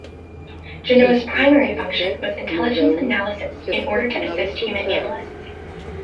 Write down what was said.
Genoa's primary function was intelligence analysis in order to assist human analysts.